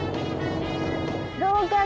どうかな？